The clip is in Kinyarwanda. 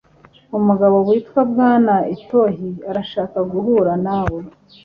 Umugabo witwa Bwana Itoh arashaka guhura nawe.